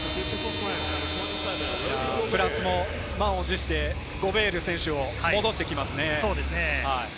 フランスも満を持してゴベール選手を戻してきますね。